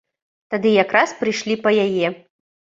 Тады якраз прыйшлі па яе.